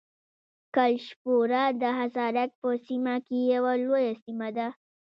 کلشپوره د حصارک په سیمه کې یوه لویه سیمه ده.